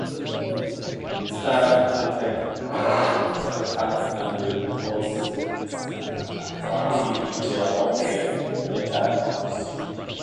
Stark contrasts, cuts and forcefulness mark the signature of the entire composition.